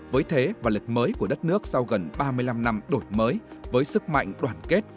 với thế và lịch mới của đất nước sau gần ba mươi năm năm đổi mới với sức mạnh đoàn kết